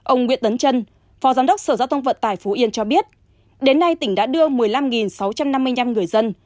ông nguyễn tấn trân phó giám đốc sở giao thông vận tải phú yên cho biết đến nay tỉnh đã đưa một mươi năm sáu trăm năm mươi năm người dân